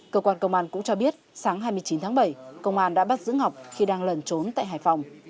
cơ quan công an cũng cho biết sáng hai mươi chín tháng bảy công an đã bắt giữ ngọc khi đang lẩn trốn tại hải phòng